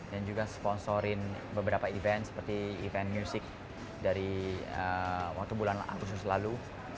dan juga sponsorin beberapa event seperti event music dari waktu bulan khusus lalu